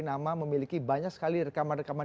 nama memiliki banyak sekali rekaman rekaman